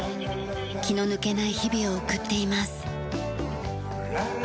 気の抜けない日々を送っています。